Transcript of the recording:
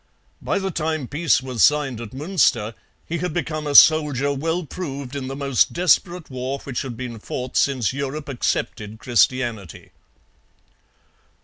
By the time peace was signed at Munster he had become a soldier well proved in the most desperate war which had been fought since Europe accepted Christianity.